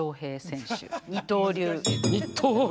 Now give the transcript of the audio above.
二刀流？